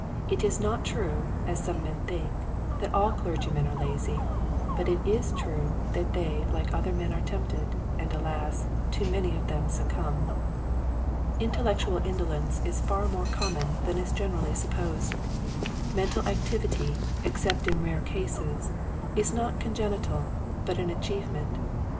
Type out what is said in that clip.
It is not true, as some men think, that all clergymen are lazy, but it is true that they like other men are tempted, and alas, too many of them succumb. Intellectual indolence is far more common than is generally sup posed. Mental activity, except in rare cases, is not congenital, but an achieve ment.